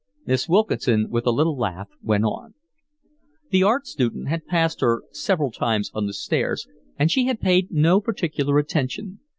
Miss Wilkinson, with a little laugh, went on. The art student had passed her several times on the stairs, and she had paid no particular attention.